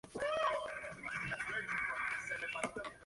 La abadía se ejecuta una taberna y librería.